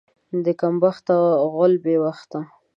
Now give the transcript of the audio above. د کم بخته غول بې وخته.